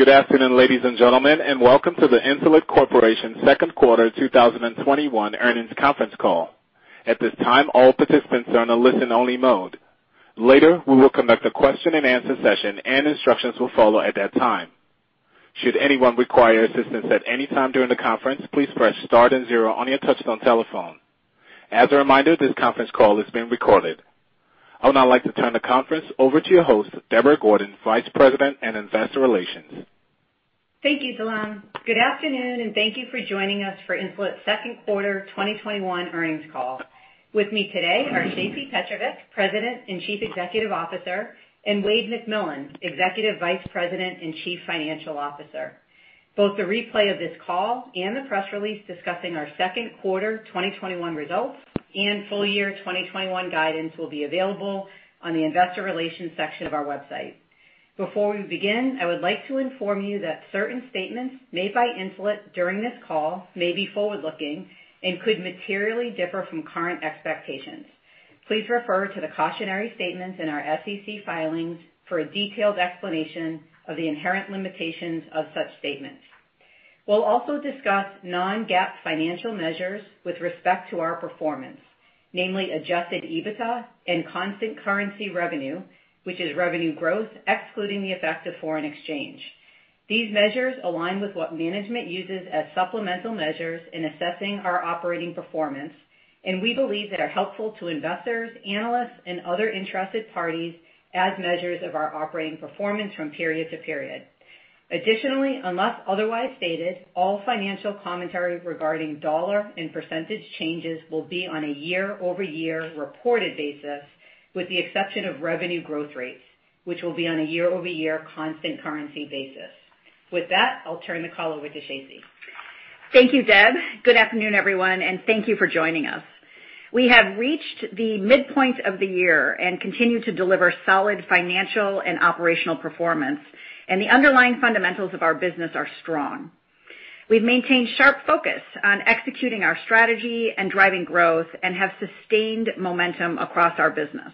Good afternoon, ladies and gentlemen, and welcome to the Insulet Corporation Second Quarter 2021 Earnings Conference Call. At this time, all participants are on a listen-only mode. Later, we will conduct a question-and-answer session, and instructions will follow at that time. Should anyone require assistance at any time during the conference, please press star and zero on your touch-tone telephone. As a reminder, this conference call is being recorded. I would now like to turn the conference over to your host, Deborah Gordon, Vice President and Investor Relations. Thank you, [Dalam]. Good afternoon, and thank you for joining us for Insulet's second quarter 2021 earnings call. With me today are Shacey Petrovic, President and Chief Executive Officer, and Wayde McMillan, Executive Vice President and Chief Financial Officer. Both the replay of this call and the press release discussing our second quarter 2021 results and full year 2021 guidance will be available on the Investor Relations section of our website. Before we begin, I would like to inform you that certain statements made by Insulet during this call may be forward-looking and could materially differ from current expectations. Please refer to the cautionary statements in our SEC filings for a detailed explanation of the inherent limitations of such statements. We'll also discuss non-GAAP financial measures with respect to our performance, namely adjusted EBITDA and constant currency revenue, which is revenue growth excluding the effect of foreign exchange. These measures align with what management uses as supplemental measures in assessing our operating performance, and we believe that are helpful to investors, analysts, and other interested parties as measures of our operating performance from period to period. Unless otherwise stated, all financial commentary regarding dollars and percentage changes will be on a year-over-year reported basis, with the exception of revenue growth rates, which will be on a year-over-year constant currency basis. With that, I'll turn the call over to Shacey. Thank you, Deb. Good afternoon, everyone, and thank you for joining us. We have reached the midpoint of the year and continue to deliver solid financial and operational performance. The underlying fundamentals of our business are strong. We've maintained sharp focus on executing our strategy and driving growth and have sustained momentum across our business.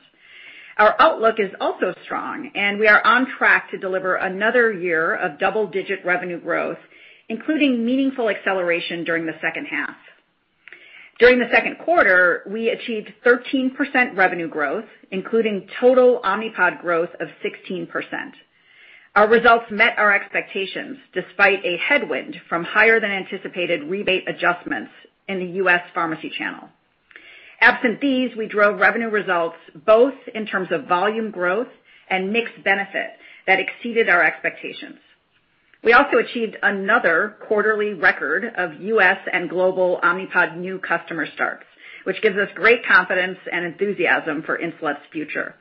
Our outlook is also strong. We are on track to deliver another year of double-digit revenue growth, including meaningful acceleration during the second half. During the second quarter, we achieved 13% revenue growth, including total Omnipod growth of 16%. Our results met our expectations, despite a headwind from higher than anticipated rebate adjustments in the U.S. pharmacy channel. Absent these, we drove revenue results both in terms of volume growth and mix benefit that exceeded our expectations. We also achieved another quarterly record of U.S. and global Omnipod new customer starts, which gives us great confidence and enthusiasm for Insulet's future.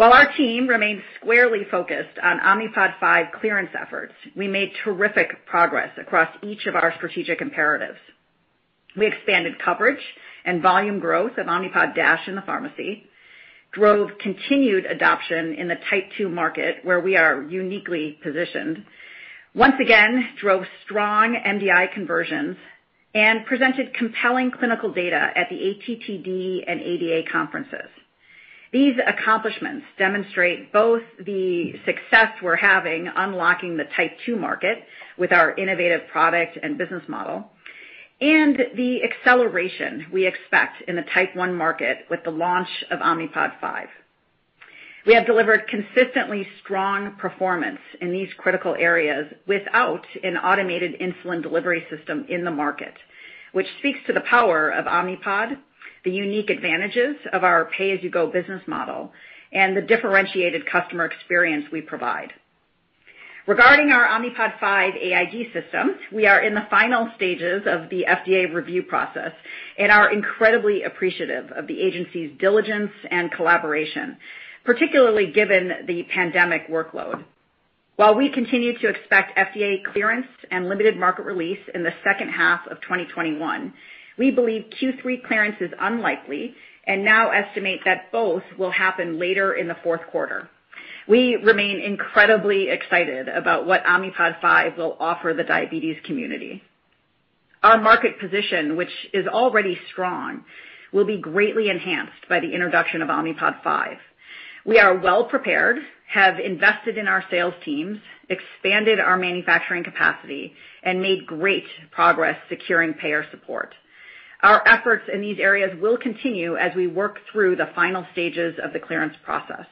While our team remains squarely focused on Omnipod 5 clearance efforts, we made terrific progress across each of our strategic imperatives. We expanded coverage and volume growth of Omnipod DASH in the pharmacy, drove continued adoption in the Type 2 market where we are uniquely positioned, once again drove strong MDI conversions, and presented compelling clinical data at the ATTD and ADA conferences. These accomplishments demonstrate both the success we're having unlocking the Type 2 market with our innovative product and business model and the acceleration we expect in the Type 1 market with the launch of Omnipod 5. We have delivered consistently strong performance in these critical areas without an automated insulin delivery system in the market, which speaks to the power of Omnipod, the unique advantages of our pay-as-you-go business model, and the differentiated customer experience we provide. Regarding our Omnipod 5 AID system, we are in the final stages of the FDA review process and are incredibly appreciative of the agency's diligence and collaboration, particularly given the pandemic workload. While we continue to expect FDA clearance and limited market release in the second half of 2021, we believe Q3 clearance is unlikely and now estimate that both will happen later in the fourth quarter. We remain incredibly excited about what Omnipod 5 will offer the diabetes community. Our market position, which is already strong, will be greatly enhanced by the introduction of Omnipod 5. We are well prepared, have invested in our sales teams, expanded our manufacturing capacity, and made great progress securing payer support. Our efforts in these areas will continue as we work through the final stages of the clearance process.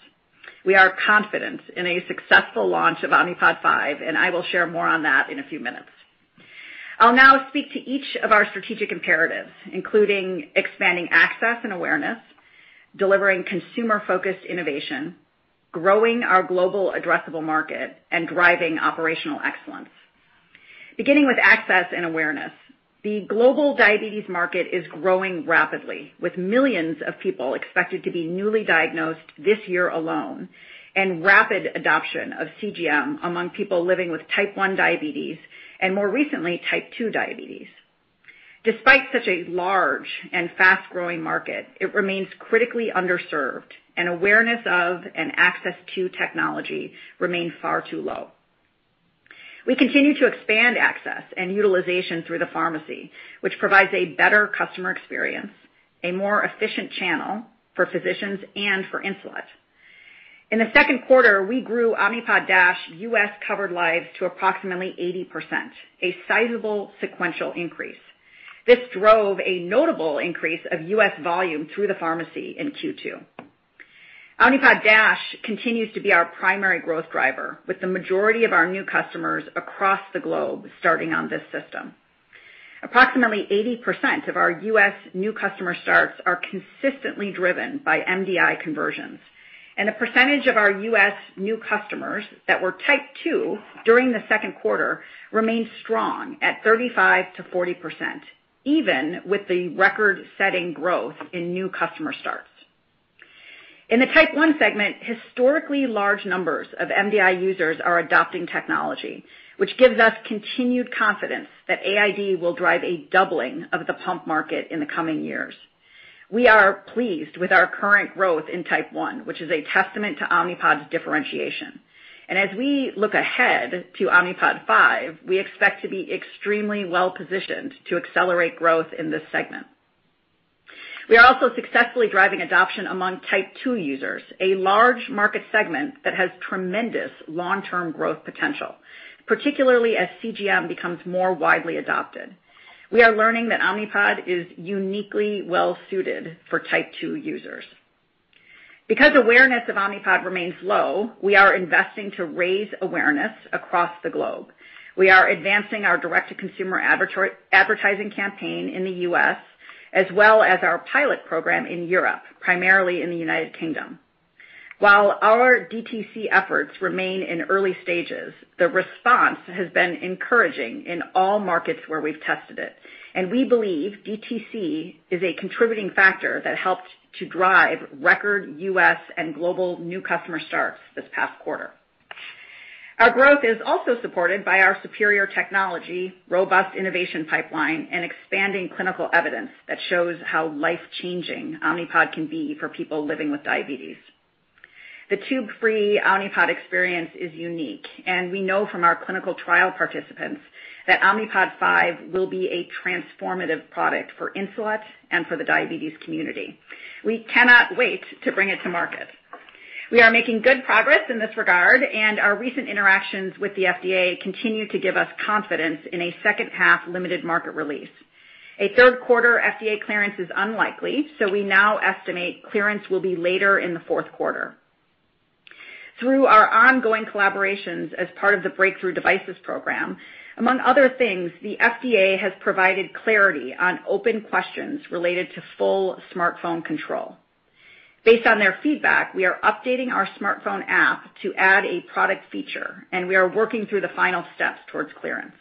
We are confident in a successful launch of Omnipod 5. I'll share more on that in a few minutes. I'll now speak to each of our strategic imperatives, including expanding access and awareness, delivering consumer-focused innovation, growing our global addressable market, and driving operational excellence. Beginning with access and awareness, the global diabetes market is growing rapidly, with millions of people expected to be newly diagnosed this year alone and rapid adoption of CGM among people living with Type 1 diabetes and more recently, Type 2 diabetes. Despite such a large and fast-growing market, it remains critically underserved, and awareness of and access to technology remain far too low. We continue to expand access and utilization through the pharmacy, which provides a better customer experience, a more efficient channel for physicians and for Insulet. In the second quarter, we grew Omnipod DASH U.S. covered lives to approximately 80%, a sizable sequential increase. This drove a notable increase of U.S. volume through the pharmacy in Q2. Omnipod DASH continues to be our primary growth driver, with the majority of our new customers across the globe starting on this system. Approximately 80% of our U.S. new customer starts are consistently driven by MDI conversions, and the percentage of our U.S. new customers that were Type 2 during the second quarter remained strong at 35%-40%, even with the record-setting growth in new customer starts. In the Type 1 segment, historically large numbers of MDI users are adopting technology, which gives us continued confidence that AID will drive a doubling of the pump market in the coming years. We are pleased with our current growth in Type 1, which is a testament to Omnipod's differentiation. As we look ahead to Omnipod 5, we expect to be extremely well-positioned to accelerate growth in this segment. We are also successfully driving adoption among Type 2 users, a large market segment that has tremendous long-term growth potential, particularly as CGM becomes more widely adopted. We are learning that Omnipod is uniquely well-suited for Type 2 users. Because awareness of Omnipod remains low, we are investing to raise awareness across the globe. We are advancing our direct-to-consumer advertising campaign in the U.S. as well as our pilot program in Europe, primarily in the United Kingdom. While our DTC efforts remain in early stages, the response has been encouraging in all markets where we've tested it, and we believe DTC is a contributing factor that helped to drive record U.S. and global new customer starts this past quarter. Our growth is also supported by our superior technology, robust innovation pipeline, and expanding clinical evidence that shows how life-changing Omnipod can be for people living with diabetes. The tube-free Omnipod experience is unique, and we know from our clinical trial participants that Omnipod 5 will be a transformative product for Insulet and for the diabetes community. We cannot wait to bring it to market. We are making good progress in this regard, and our recent interactions with the FDA continue to give us confidence in a second half limited market release. A third quarter FDA clearance is unlikely, so we now estimate clearance will be later in the fourth quarter. Through our ongoing collaborations as part of the Breakthrough Devices Program, among other things, the FDA has provided clarity on open questions related to full smartphone control. Based on their feedback, we are updating our smartphone app to add a product feature, and we are working through the final steps towards clearance.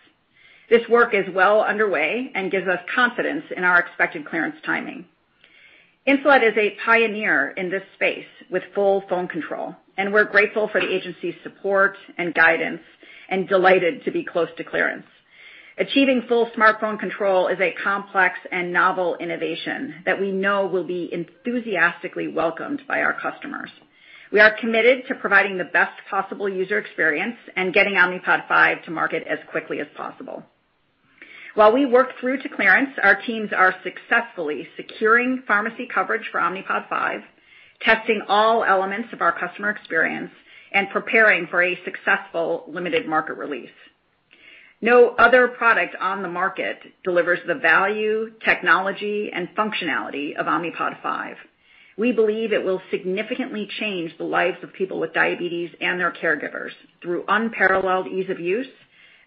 This work is well underway and gives us confidence in our expected clearance timing. Insulet is a pioneer in this space with full phone control, and we're grateful for the agency's support and guidance, and delighted to be close to clearance. Achieving full smartphone control is a complex and novel innovation that we know will be enthusiastically welcomed by our customers. We are committed to providing the best possible user experience and getting Omnipod 5 to market as quickly as possible. While we work through to clearance, our teams are successfully securing pharmacy coverage for Omnipod 5, testing all elements of our customer experience, and preparing for a successful limited market release. No other product on the market delivers the value, technology, and functionality of Omnipod 5. We believe it will significantly change the lives of people with diabetes and their caregivers through unparalleled ease of use,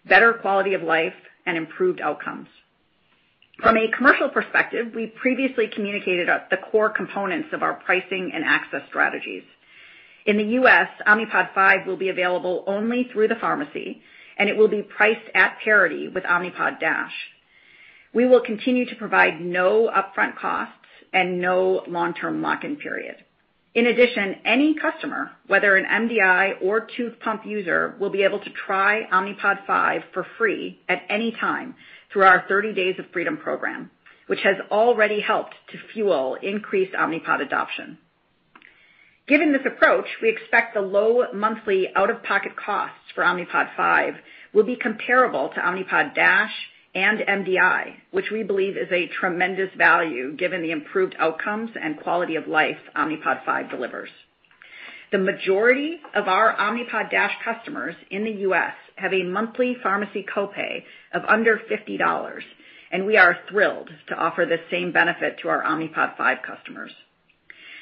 better quality of life, and improved outcomes. From a commercial perspective, we previously communicated the core components of our pricing and access strategies. In the U.S., Omnipod 5 will be available only through the pharmacy, and it will be priced at parity with Omnipod DASH. We will continue to provide no upfront costs and no long-term lock-in period. In addition, any customer, whether an MDI or tube pump user, will be able to try Omnipod 5 for free at any time through our 30 Days of Freedom program, which has already helped to fuel increased Omnipod adoption. Given this approach, we expect the low monthly out-of-pocket costs for Omnipod 5 will be comparable to Omnipod DASH and MDI, which we believe is a tremendous value given the improved outcomes and quality of life Omnipod 5 delivers. The majority of our Omnipod DASH customers in the U.S. have a monthly pharmacy copay of under $50, and we are thrilled to offer the same benefit to our Omnipod 5 customers.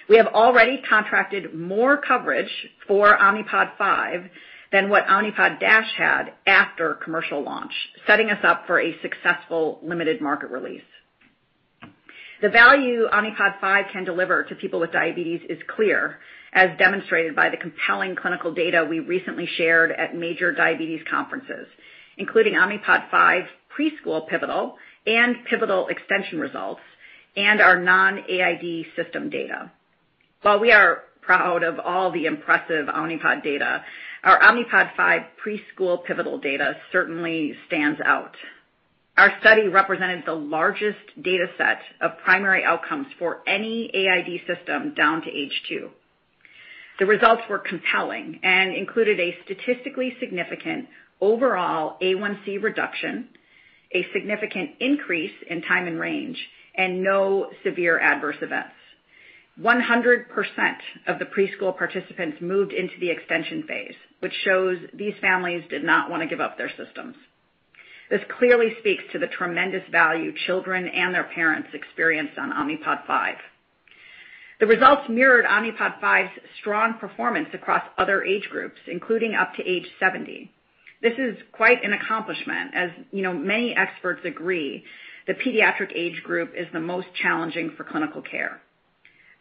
We have already contracted more coverage for Omnipod 5 than what Omnipod DASH had after commercial launch, setting us up for a successful limited market release. The value Omnipod 5 can deliver to people with diabetes is clear, as demonstrated by the compelling clinical data we recently shared at major diabetes conferences, including Omnipod 5 Preschool Pivotal and Pivotal Extension results, and our non-AID system data. While we are proud of all the impressive Omnipod data, our Omnipod 5 Preschool Pivotal data certainly stands out. Our study represented the largest data set of primary outcomes for any AID system down to age two. The results were compelling and included a statistically significant overall A1C reduction, a significant increase in time in range, and no severe adverse events. 100% of the preschool participants moved into the extension phase, which shows these families did not want to give up their systems. This clearly speaks to the tremendous value children and their parents experienced on Omnipod 5. The results mirrored Omnipod 5's strong performance across other age groups, including up to age 70. This is quite an accomplishment. As many experts agree, the pediatric age group is the most challenging for clinical care.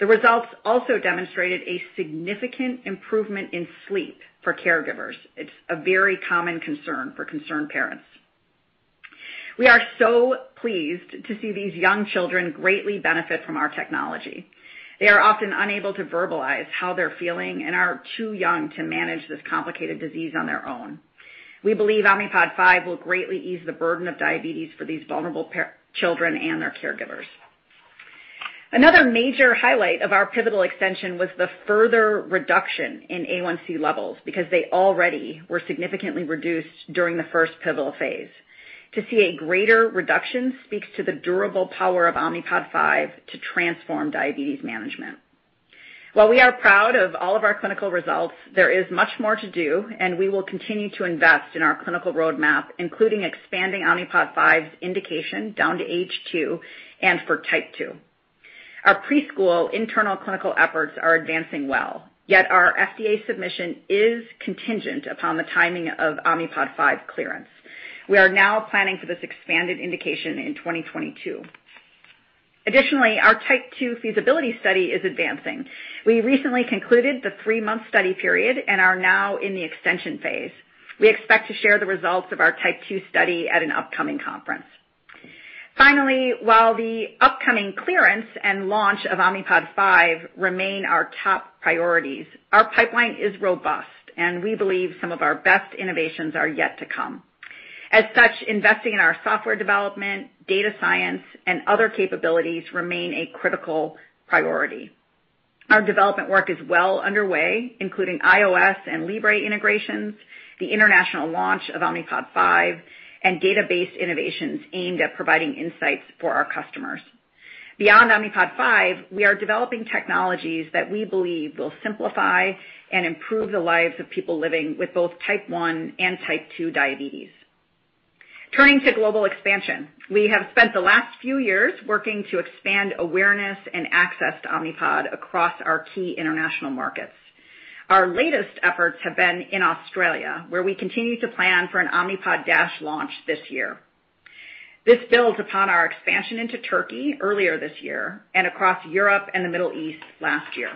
The results also demonstrated a significant improvement in sleep for caregivers. It's a very common concern for concerned parents. We are so pleased to see these young children greatly benefit from our technology. They are often unable to verbalize how they're feeling and are too young to manage this complicated disease on their own. We believe Omnipod 5 will greatly ease the burden of diabetes for these vulnerable children and their caregivers. Another major highlight of our pivotal extension was the further reduction in A1C levels because they already were significantly reduced during the first pivotal phase. To see a greater reduction speaks to the durable power of Omnipod 5 to transform diabetes management. While we are proud of all of our clinical results, there is much more to do, and we will continue to invest in our clinical roadmap, including expanding Omnipod 5's indication down to age two and for Type 2. Our preschool internal clinical efforts are advancing well, yet our FDA submission is contingent upon the timing of Omnipod 5 clearance. We are now planning for this expanded indication in 2022. Additionally, our Type 2 feasibility study is advancing. We recently concluded the three-month study period and are now in the extension phase. We expect to share the results of our Type 2 study at an upcoming conference. Finally, while the upcoming clearance and launch of Omnipod 5 remain our top priorities, our pipeline is robust and we believe some of our best innovations are yet to come. As such, investing in our software development, data science, and other capabilities remain a critical priority. Our development work is well underway, including iOS and Libre integrations, the international launch of Omnipod 5, data-based innovations aimed at providing insights for our customers. Beyond Omnipod 5, we are developing technologies that we believe will simplify and improve the lives of people living with both Type 1 and Type 2 diabetes. Turning to global expansion. We have spent the last few years working to expand awareness and access to Omnipod across our key international markets. Our latest efforts have been in Australia, where we continue to plan for an Omnipod DASH launch this year. This builds upon our expansion into Turkey earlier this year and across Europe and the Middle East last year.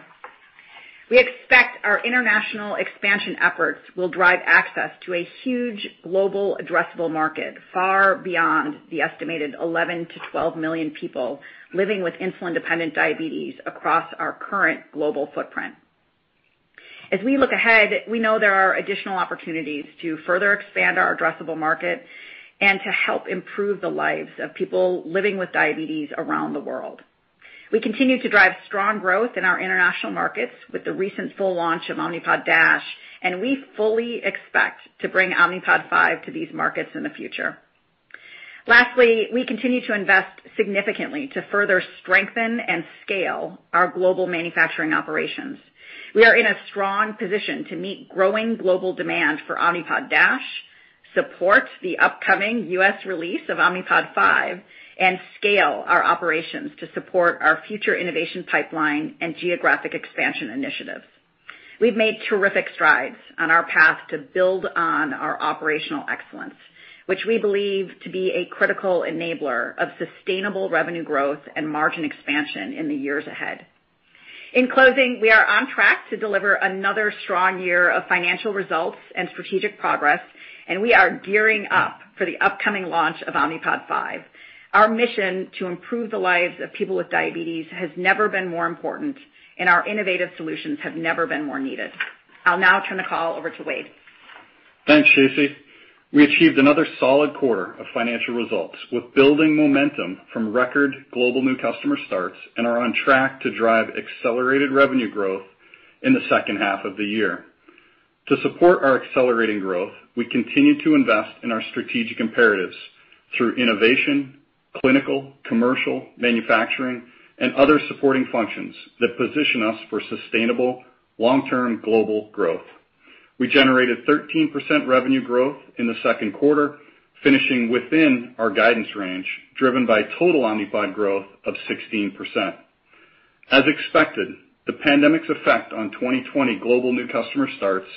We expect our international expansion efforts will drive access to a huge global addressable market, far beyond the estimated 11 million-12 million people living with insulin-dependent diabetes across our current global footprint. As we look ahead, we know there are additional opportunities to further expand our addressable market and to help improve the lives of people living with diabetes around the world. We continue to drive strong growth in our international markets with the recent full launch of Omnipod DASH, and we fully expect to bring Omnipod 5 to these markets in the future. Lastly, we continue to invest significantly to further strengthen and scale our global manufacturing operations. We are in a strong position to meet growing global demand for Omnipod DASH, support the upcoming U.S. release of Omnipod 5, and scale our operations to support our future innovation pipeline and geographic expansion initiatives. We've made terrific strides on our path to build on our operational excellence, which we believe to be a critical enabler of sustainable revenue growth and margin expansion in the years ahead. In closing, we are on track to deliver another strong year of financial results and strategic progress, and we are gearing up for the upcoming launch of Omnipod 5. Our mission to improve the lives of people with diabetes has never been more important, and our innovative solutions have never been more needed. I'll now turn the call over to Wayde. Thanks, Shacey. We achieved another solid quarter of financial results with building momentum from record global new customer starts and are on track to drive accelerated revenue growth in the second half of the year. To support our accelerating growth, we continue to invest in our strategic imperatives through innovation, clinical, commercial, manufacturing, and other supporting functions that position us for sustainable long-term global growth. We generated 13% revenue growth in the second quarter, finishing within our guidance range, driven by total Omnipod growth of 16%. As expected, the pandemic's effect on 2020 global new customer starts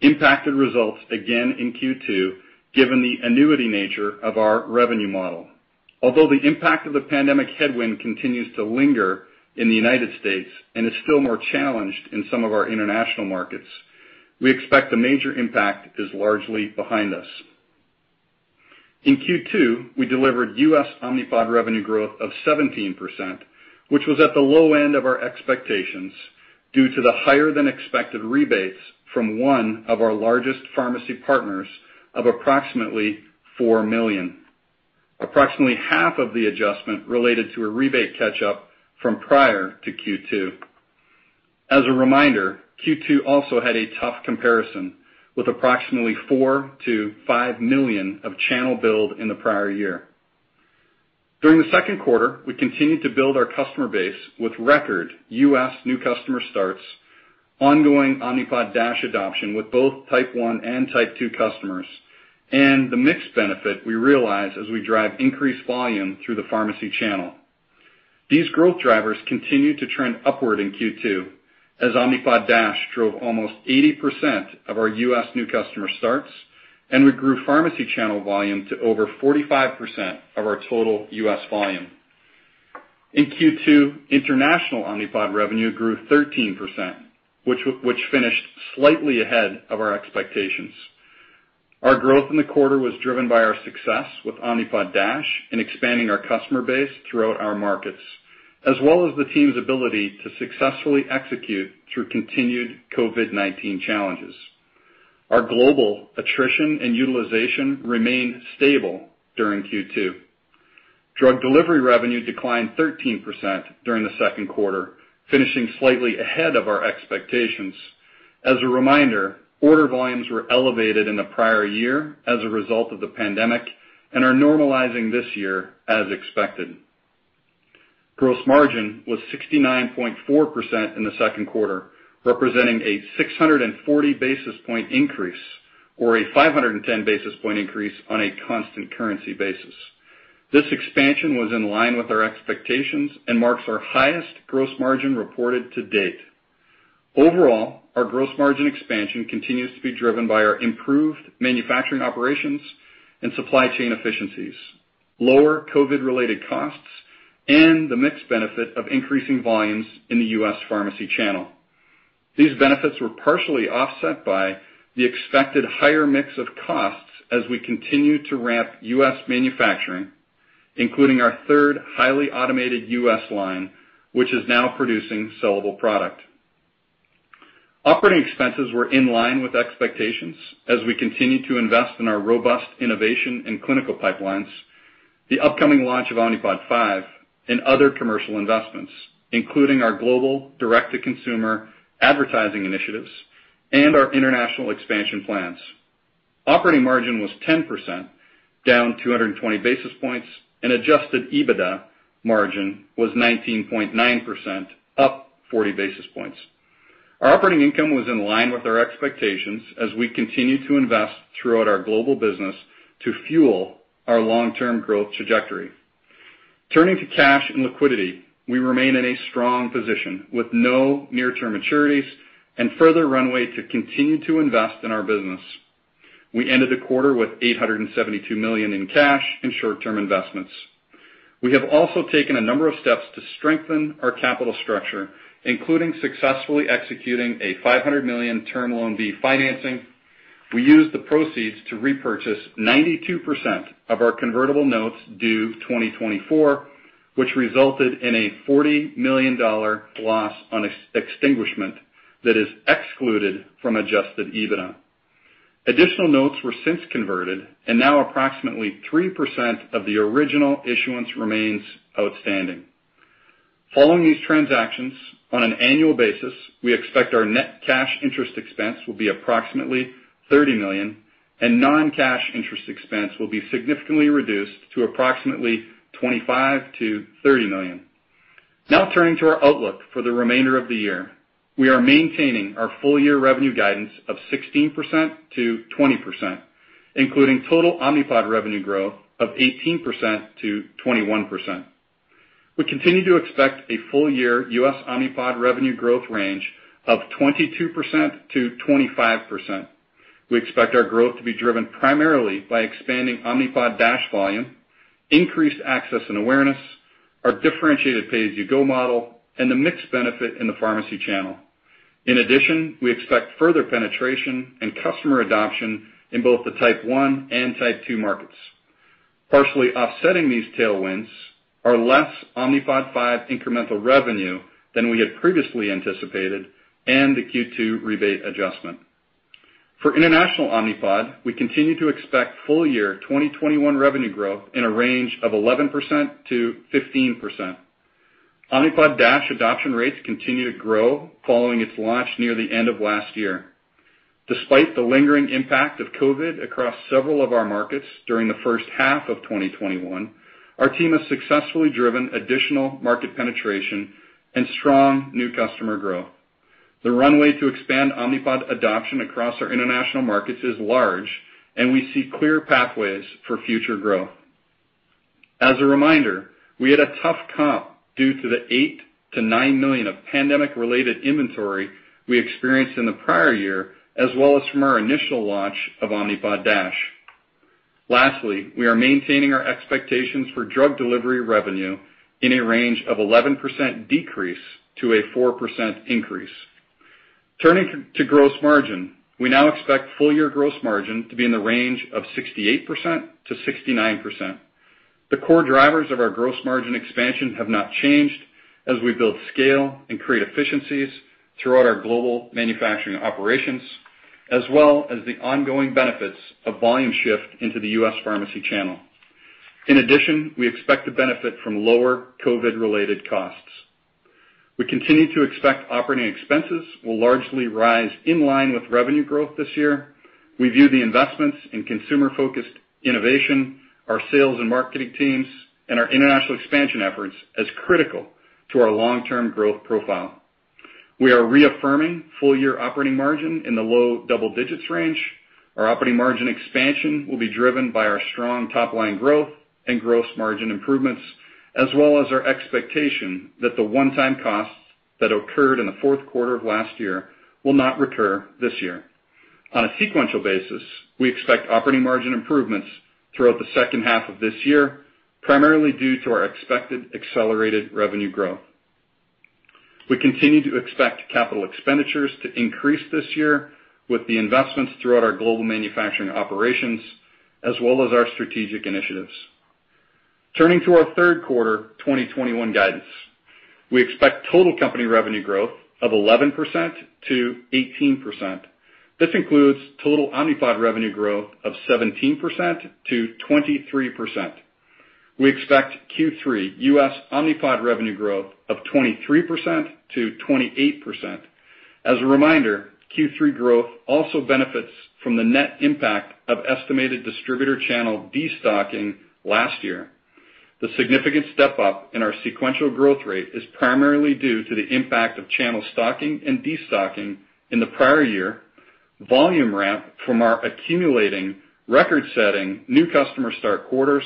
impacted results again in Q2, given the annuity nature of our revenue model. Although the impact of the pandemic headwind continues to linger in the United States and is still more challenged in some of our international markets, we expect the major impact is largely behind us. In Q2, we delivered U.S. Omnipod revenue growth of 17%, which was at the low end of our expectations due to the higher-than-expected rebates from one of our largest pharmacy partners of $4 million. Approximately half of the adjustment related to a rebate catch-up from prior to Q2. As a reminder, Q2 also had a tough comparison, with $4 million-$5 million of channel build in the prior year. During the second quarter, we continued to build our customer base with record U.S. new customer starts, ongoing Omnipod DASH adoption with both Type 1 and Type 2 customers, and the mix benefit we realize as we drive increased volume through the pharmacy channel. These growth drivers continued to trend upward in Q2 as Omnipod DASH drove almost 80% of our U.S. new customer starts, and we grew pharmacy channel volume to over 45% of our total U.S. volume. In Q2, international Omnipod revenue grew 13%, which finished slightly ahead of our expectations. Our growth in the quarter was driven by our success with Omnipod DASH in expanding our customer base throughout our markets, as well as the team's ability to successfully execute through continued COVID-19 challenges. Our global attrition and utilization remained stable during Q2. Drug delivery revenue declined 13% during the second quarter, finishing slightly ahead of our expectations. As a reminder, order volumes were elevated in the prior year as a result of the pandemic and are normalizing this year as expected. Gross margin was 69.4% in the second quarter, representing a 640 basis point increase or a 510 basis point increase on a constant currency basis. This expansion was in line with our expectations and marks our highest gross margin reported to date. Overall, our gross margin expansion continues to be driven by our improved manufacturing operations and supply chain efficiencies, lower COVID-related costs, and the mix benefit of increasing volumes in the U.S. pharmacy channel. These benefits were partially offset by the expected higher mix of costs as we continue to ramp U.S. manufacturing, including our third highly automated U.S. line, which is now producing sellable product. Operating expenses were in line with expectations as we continued to invest in our robust innovation and clinical pipelines, the upcoming launch of Omnipod 5, and other commercial investments, including our global direct-to-consumer advertising initiatives and our international expansion plans. Operating margin was 10%, down 220 basis points, and adjusted EBITDA margin was 19.9%, up 40 basis points. Our operating income was in line with our expectations as we continued to invest throughout our global business to fuel our long-term growth trajectory. Turning to cash and liquidity. We remain in a strong position with no near-term maturities and further runway to continue to invest in our business. We ended the quarter with $872 million in cash and short-term investments. We have also taken a number of steps to strengthen our capital structure, including successfully executing a $500 million Term Loan B financing. We used the proceeds to repurchase 92% of our convertible notes due 2024, which resulted in a $40 million loss on extinguishment that is excluded from adjusted EBITDA. Now approximately 3% of the original issuance remains outstanding. Following these transactions, on an annual basis, we expect our net cash interest expense will be approximately $30 million. Non-cash interest expense will be significantly reduced to approximately $25 million-$30 million. Now turning to our outlook for the remainder of the year. We are maintaining our full-year revenue guidance of 16%-20%, including total Omnipod revenue growth of 18%-21%. We continue to expect a full-year U.S. Omnipod revenue growth range of 22%-25%. We expect our growth to be driven primarily by expanding Omnipod DASH volume, increased access and awareness, our differentiated pay-as-you-go model, and the mix benefit in the pharmacy channel. In addition, we expect further penetration and customer adoption in both the Type 1 and Type 2 markets. Partially offsetting these tailwinds are less Omnipod 5 incremental revenue than we had previously anticipated and the Q2 rebate adjustment. For international Omnipod, we continue to expect full-year 2021 revenue growth in a range of 11%-15%. Omnipod DASH adoption rates continue to grow following its launch near the end of last year. Despite the lingering impact of COVID across several of our markets during the first half of 2021, our team has successfully driven additional market penetration and strong new customer growth. The runway to expand Omnipod adoption across our international markets is large, and we see clear pathways for future growth. As a reminder, we had a tough comp due to the $8 million-$9 million of pandemic-related inventory we experienced in the prior year, as well as from our initial launch of Omnipod DASH. Lastly, we are maintaining our expectations for drug delivery revenue in a range of 11% decrease to a 4% increase. Turning to gross margin. We now expect full-year gross margin to be in the range of 68%-69%. The core drivers of our gross margin expansion have not changed as we build scale and create efficiencies throughout our global manufacturing operations, as well as the ongoing benefits of volume shift into the U.S. pharmacy channel. In addition, we expect to benefit from lower COVID related costs. We continue to expect operating expenses will largely rise in line with revenue growth this year. We view the investments in consumer focused innovation, our sales and marketing teams, and our international expansion efforts as critical to our long-term growth profile. We are reaffirming full year operating margin in the low double-digit range. Our operating margin expansion will be driven by our strong top-line growth and gross margin improvements, as well as our expectation that the one-time costs that occurred in the fourth quarter of last year will not recur this year. On a sequential basis, we expect operating margin improvements throughout the second half of this year, primarily due to our expected accelerated revenue growth. We continue to expect capital expenditures to increase this year with the investments throughout our global manufacturing operations, as well as our strategic initiatives. Turning to our third quarter 2021 guidance. We expect total company revenue growth of 11%-18%. This includes total Omnipod revenue growth of 17%-23%. We expect Q3 U.S. Omnipod revenue growth of 23%-28%. As a reminder, Q3 growth also benefits from the net impact of estimated distributor channel destocking last year. The significant step up in our sequential growth rate is primarily due to the impact of channel stocking and destocking in the prior year, volume ramp from our accumulating record-setting new customer start quarters,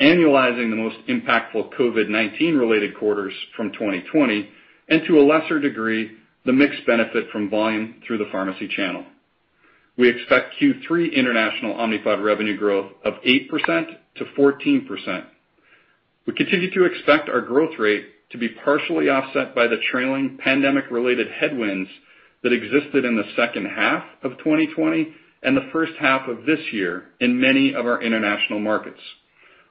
annualizing the most impactful COVID-19 related quarters from 2020, and to a lesser degree, the mix benefit from volume through the pharmacy channel. We expect Q3 international Omnipod revenue growth of 8%-14%. We continue to expect our growth rate to be partially offset by the trailing pandemic related headwinds that existed in the second half of 2020 and the first half of this year in many of our international markets.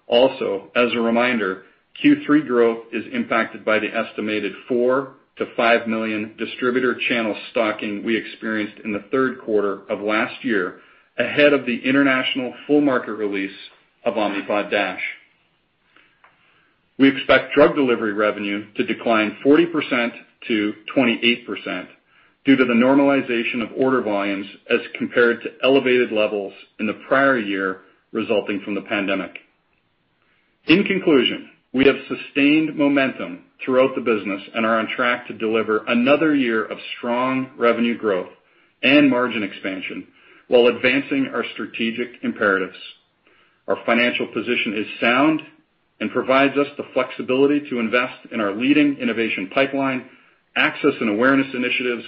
Also, as a reminder, Q3 growth is impacted by the estimated $4 million-$5 million distributor channel stocking we experienced in the third quarter of last year, ahead of the international full market release of Omnipod DASH. We expect drug delivery revenue to decline 40%-28% due to the normalization of order volumes as compared to elevated levels in the prior year resulting from the pandemic. In conclusion, we have sustained momentum throughout the business and are on track to deliver another year of strong revenue growth and margin expansion while advancing our strategic imperatives. Our financial position is sound and provides us the flexibility to invest in our leading innovation pipeline, access and awareness initiatives,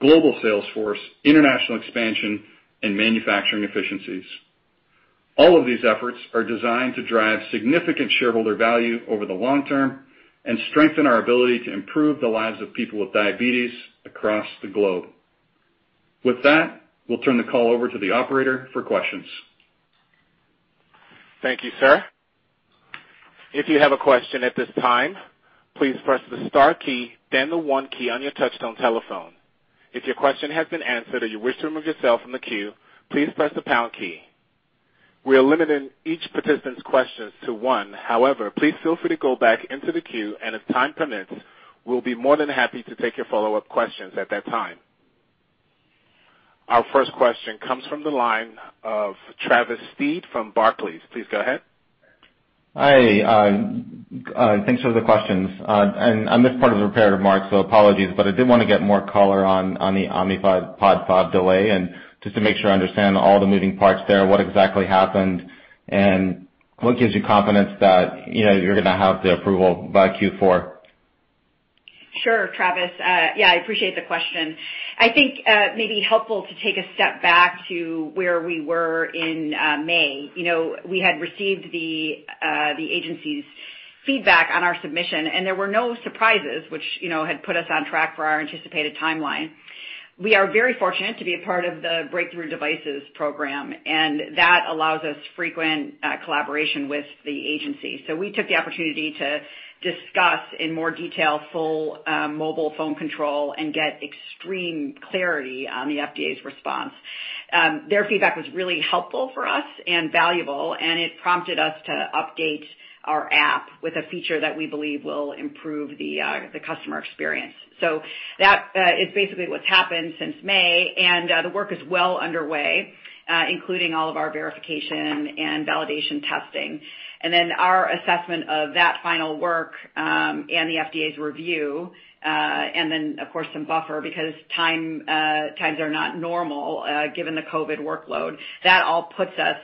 global sales force, international expansion and manufacturing efficiencies. All of these efforts are designed to drive significant shareholder value over the long term and strengthen our ability to improve the lives of people with diabetes across the globe. With that, we'll turn the call over to the operator for questions. Thank you sir. If you have a question at this time please press the star key then the one key on your touch-tone telephone. If your question has been answered and you wish to remove yourself from the queue please press the pound key. We're limiting each participant's questions to one. However please free to go back into the queue and if time permits, we'll be more more than happy to take your follow-up questions at that time. Our first question comes from the line of Travis Steed from Barclays. Please go ahead. Hi. Thanks for the questions. I missed part of the prepared remarks, so apologies, but I did want to get more color on the Omnipod 5 delay and just to make sure I understand all the moving parts there, what exactly happened, and what gives you confidence that you're going to have the approval by Q4? Sure, Travis. Yeah, I appreciate the question. I think it may be helpful to take a step back to where we were in May. We had received the agency's feedback on our submission, and there were no surprises which had put us on track for our anticipated timeline. We are very fortunate to be a part of the Breakthrough Devices program, and that allows us frequent collaboration with the agency. We took the opportunity to discuss in more detail full mobile phone control and get extreme clarity on the FDA's response. Their feedback was really helpful for us and valuable, and it prompted us to update our app with a feature that we believe will improve the customer experience. That is basically what's happened since May, and the work is well underway, including all of our verification and validation testing. Then our assessment of that final work, and the FDA's review, and then, of course, some buffer because times are not normal given the COVID workload. That all puts us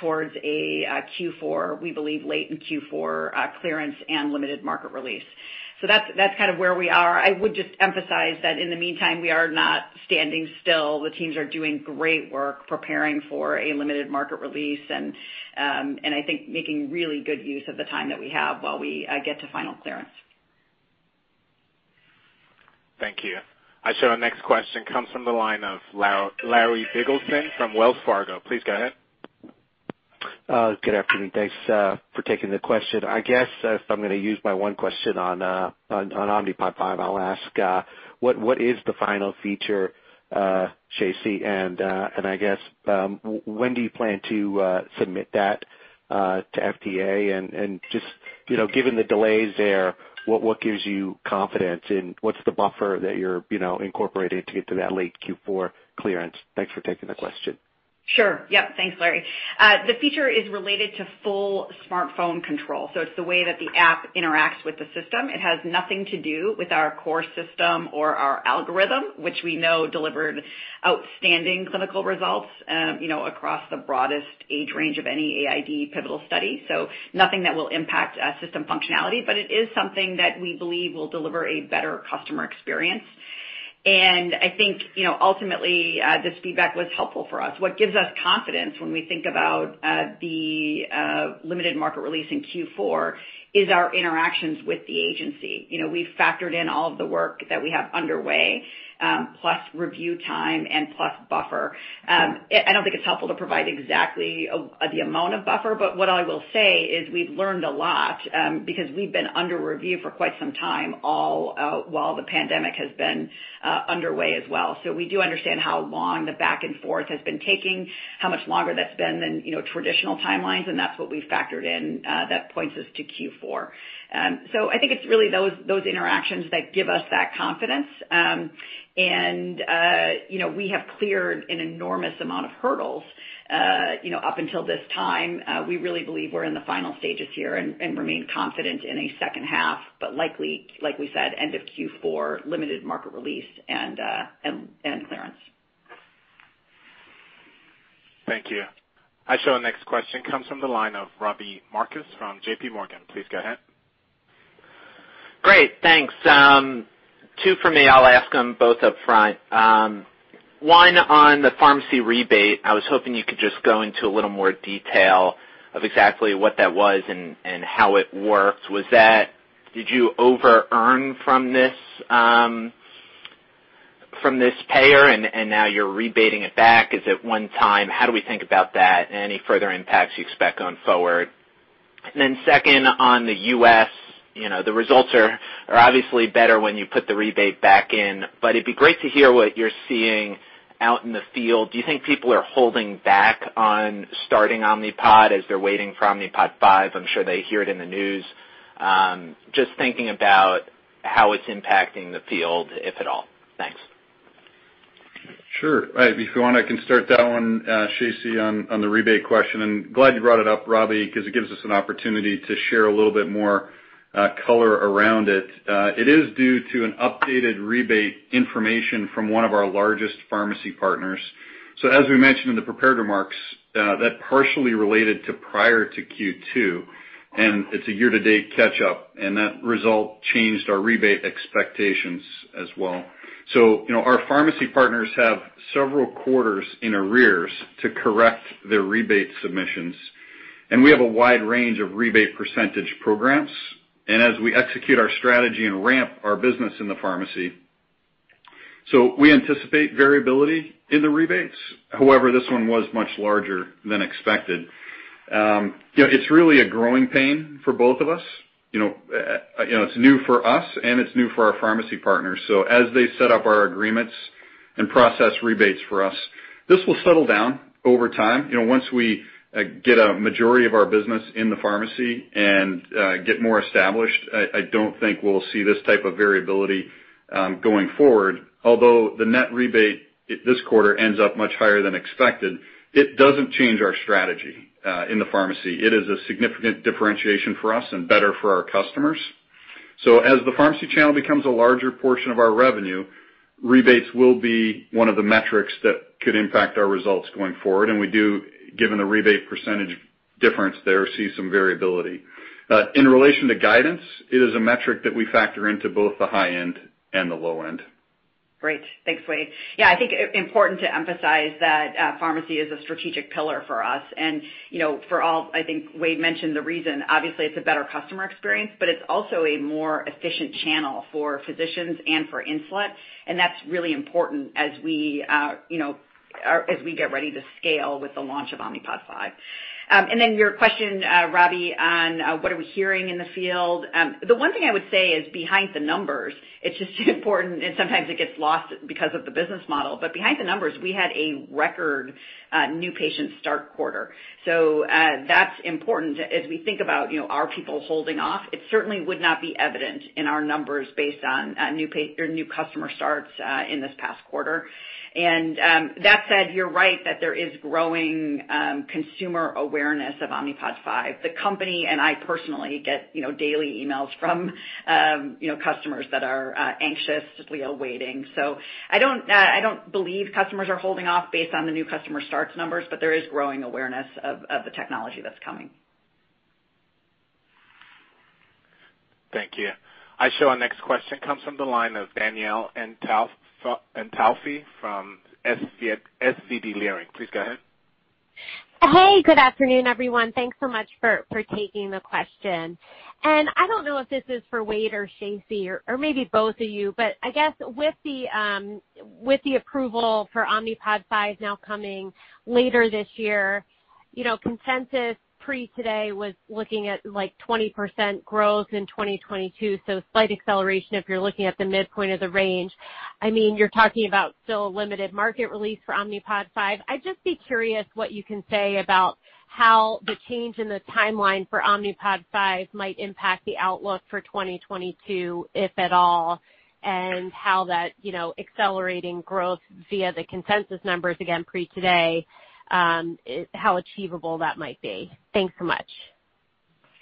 towards a Q4, we believe late in Q4, clearance and limited market release. That's kind of where we are. I would just emphasize that in the meantime, we are not standing still. The teams are doing great work preparing for a limited market release and I think making really good use of the time that we have while we get to final clearance. Thank you. I show our next question comes from the line of Larry Biegelsen from Wells Fargo. Please go ahead. Good afternoon. Thanks for taking the question. I guess if I'm going to use my one question on Omnipod 5, I'll ask what is the final feature, Shacey? I guess when do you plan to submit that to FDA? Just given the delays there, what gives you confidence, and what's the buffer that you're incorporating to get to that late Q4 clearance? Thanks for taking the question. Sure. Yes. Thanks, Larry. The feature is related to full smartphone control. It's the way that the app interacts with the system. It has nothing to do with our core system or our algorithm, which we know delivered outstanding clinical results across the broadest age range of any AID pivotal study. Nothing that will impact system functionality, but it is something that we believe will deliver a better customer experience. I think ultimately, this feedback was helpful for us. What gives us confidence when we think about the limited market release in Q4 is our interactions with the agency. We've factored in all of the work that we have underway, plus review time and plus buffer. I don't think it's helpful to provide exactly the amount of buffer, but what I will say is we've learned a lot because we've been under review for quite some time, all while the pandemic has been underway as well. We do understand how long the back and forth has been taking, how much longer that's been than traditional timelines, and that's what we factored in that points us to Q4. I think it's really those interactions that give us that confidence. We have cleared an enormous amount of hurdles up until this time. We really believe we're in the final stages here and remain confident in a second half, but likely, like we said, end of Q4, limited market release and clearance. Thank you. I show our next question comes from the line of Robbie Marcus from JPMorgan. Please go ahead. Great. Thanks. Two from me, I'll ask them both upfront. One on the pharmacy rebate. I was hoping you could just go into a little more detail of exactly what that was and how it worked. Did you over-earn from this payer and now you're rebating it back? Is it one time? How do we think about that and any further impacts you expect going forward? Second on the U.S., the results are obviously better when you put the rebate back in, but it'd be great to hear what you're seeing out in the field. Do you think people are holding back on starting Omnipod as they're waiting for Omnipod 5? I'm sure they hear it in the news. Just thinking about how it's impacting the field, if at all. Thanks. Sure. If you want, I can start that one, Shacey, on the rebate question. Glad you brought it up, Robbie, because it gives us an opportunity to share a little bit more color around it. It is due to an updated rebate information from one of our largest pharmacy partners. As we mentioned in the prepared remarks, that partially related to prior to Q2, and it's a year-to-date catch-up, and that result changed our rebate expectations as well. Our pharmacy partners have several quarters in arrears to correct their rebate submissions. We have a wide range of rebate percentage programs. As we execute our strategy and ramp our business in the pharmacy. We anticipate variability in the rebates. However, this one was much larger than expected. It's really a growing pain for both of us. It's new for us and it's new for our pharmacy partners. As they set up our agreements and process rebates for us, this will settle down over time. Once we get a majority of our business in the pharmacy and get more established, I don't think we'll see this type of variability going forward. Although the net rebate this quarter ends up much higher than expected, it doesn't change our strategy in the pharmacy. It is a significant differentiation for us and better for our customers. As the pharmacy channel becomes a larger portion of our revenue, rebates will be one of the metrics that could impact our results going forward. We do, given the rebate percentage difference there, see some variability. In relation to guidance, it is a metric that we factor into both the high end and the low end. Great. Thanks, Wayde. Important to emphasize that pharmacy is a strategic pillar for us. For all, Wayde mentioned the reason. Obviously, it's a better customer experience, but it's also a more efficient channel for physicians and for Insulet. That's really important as we get ready to scale with the launch of Omnipod 5. Then your question, Robbie, on what are we hearing in the field. The one thing I would say is behind the numbers, it's just important, and sometimes it gets lost because of the business model. Behind the numbers, we had a record new patient start quarter. That's important as we think about, are people holding off? It certainly would not be evident in our numbers based on new customer starts in this past quarter. That said, you're right that there is growing consumer awareness of Omnipod 5. The company, and I personally get daily emails from customers that are anxiously awaiting. I don't believe customers are holding off based on the new customer starts numbers, but there is growing awareness of the technology that's coming. Thank you. I show our next question comes from the line of Danielle Antalffy from SVB Leerink. Please go ahead. Hey, good afternoon, everyone. Thanks so much for taking the question. I don't know if this is for Wayde or Shacey or maybe both of you, but I guess with the approval for Omnipod 5 now coming later this year, consensus pre-today was looking at 20% growth in 2022. Slight acceleration if you're looking at the midpoint of the range. You're talking about still a limited market release for Omnipod 5. I'd just be curious what you can say about how the change in the timeline for Omnipod 5 might impact the outlook for 2022, if at all, and how that accelerating growth via the consensus numbers, again, pre-today, how achievable that might be. Thanks so much.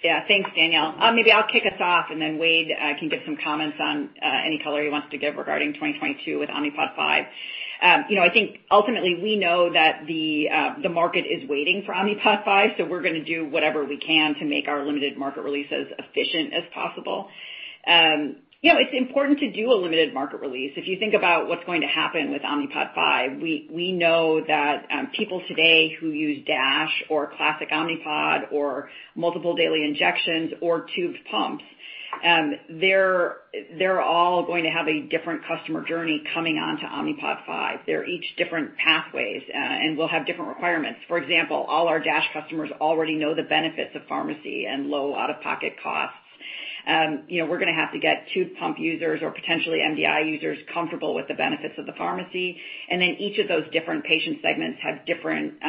Yeah. Thanks, Danielle. Maybe I'll kick us off and then Wayde can give some comments on any color he wants to give regarding 2022 with Omnipod 5. I think ultimately, we know that the market is waiting for Omnipod 5, so we're going to do whatever we can to make our limited market release as efficient as possible. It's important to do a limited market release. If you think about what's going to happen with Omnipod 5, we know that people today who use DASH or classic Omnipod or multiple daily injections or tubed pumps, they're all going to have a different customer journey coming onto Omnipod 5. They're each different pathways, and we'll have different requirements. For example, all our DASH customers already know the benefits of pharmacy and low out-of-pocket costs. We're going to have to get tubed pump users or potentially MDI users comfortable with the benefits of the pharmacy. Each of those different patient segments have different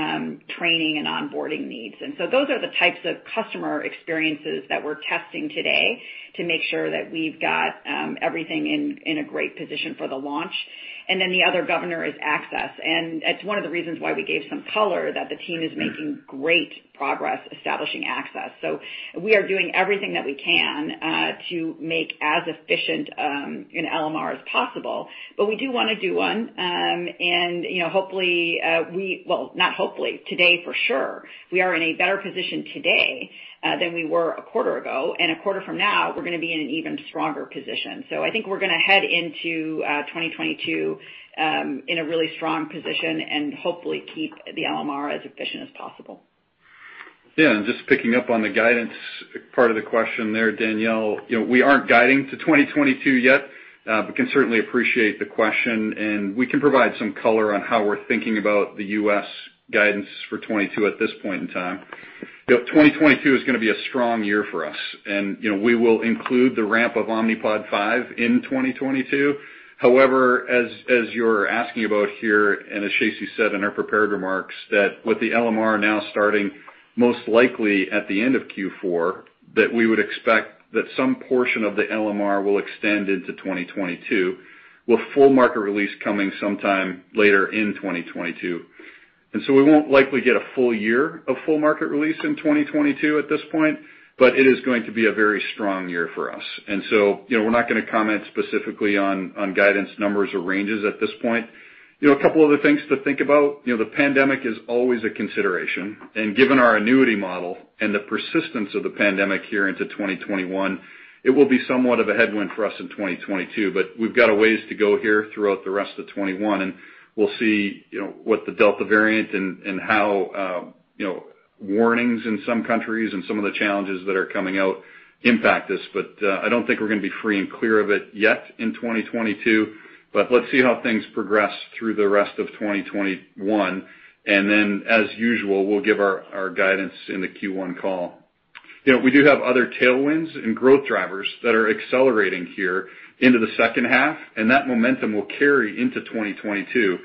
training and onboarding needs. Those are the types of customer experiences that we're testing today to make sure that we've got everything in a great position for the launch. The other governor is access, and it's one of the reasons why we gave some color that the team is making great progress establishing access. We are doing everything that we can to make as efficient an LMR as possible, but we do want to do one. Hopefully, well, not hopefully. Today for sure. We are in a better position today than we were a quarter ago, and a quarter from now, we're going to be in an even stronger position. I think we're going to head into 2022 in a really strong position and hopefully keep the LMR as efficient as possible. Yeah. Just picking up on the guidance part of the question there, Danielle, we aren't guiding to 2022 yet, but can certainly appreciate the question, and we can provide some color on how we're thinking about the U.S. guidance for 2022 at this point in time. 2022 is going to be a strong year for us, and we will include the ramp of Omnipod 5 in 2022. However, as you're asking about here, and as Shacey said in her prepared remarks, that with the LMR now starting most likely at the end of Q4, that we would expect that some portion of the LMR will extend into 2022, with full market release coming sometime later in 2022. We won't likely get a full year of full market release in 2022 at this point, but it is going to be a very strong year for us. We're not going to comment specifically on guidance numbers or ranges at this point. A couple other things to think about. The pandemic is always a consideration, and given our annuity model and the persistence of the pandemic here into 2021, it will be somewhat of a headwind for us in 2022. We've got a ways to go here throughout the rest of 2021, and we'll see what the Delta variant and how warnings in some countries and some of the challenges that are coming out impact us. I don't think we're going to be free and clear of it yet in 2022, but let's see how things progress through the rest of 2021. As usual, we'll give our guidance in the Q1 call. We do have other tailwinds and growth drivers that are accelerating here into the second half, and that momentum will carry into 2022.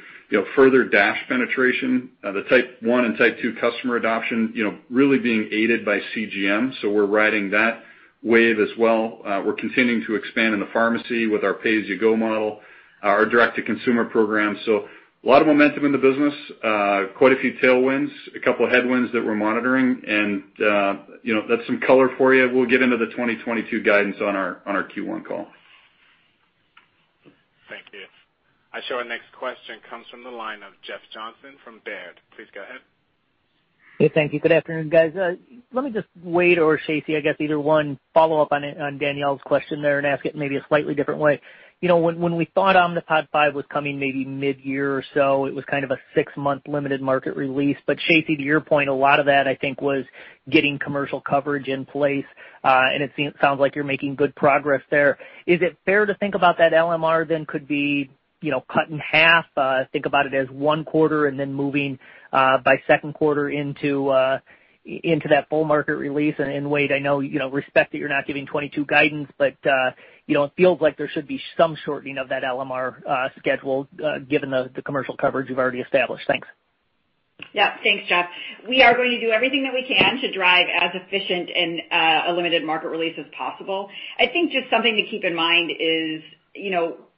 Further DASH penetration, the Type 1 and Type 2 customer adoption really being aided by CGM, so we're riding that wave as well. We're continuing to expand in the pharmacy with our pay-as-you-go model, our direct-to-consumer program. A lot of momentum in the business. Quite a few tailwinds, a couple headwinds that we're monitoring, and that's some color for you. We'll get into the 2022 guidance on our Q1 call. Thank you. I show our next question comes from the line of Jeff Johnson from Baird. Please go ahead. Yeah. Thank you. Good afternoon, guys. Let me, Wayde or Shacey, follow up on Danielle Antalffy's question there and ask it maybe a slightly different way. When we thought Omnipod 5 was coming maybe mid-year or so, it was kind of a six-month limited market release. Shacey, to your point, a lot of that, I think, was getting commercial coverage in place. It sounds like you're making good progress there. Is it fair to think about that LMR could be cut in half? Think about it as one quarter and moving by second quarter into that full market release? Wayde, I know, respect that you're not giving 2022 guidance, it feels like there should be some shortening of that LMR schedule given the commercial coverage you've already established. Thanks. Thanks, Jeff. We are going to do everything that we can to drive as efficient and a limited market release as possible. I think just something to keep in mind is